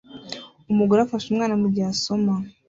Umugore afashe umwana mugihe asoma